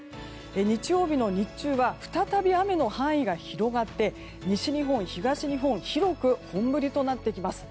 日曜日の日中は再び雨の範囲が広がって西日本、東日本広く本降りとなってきます。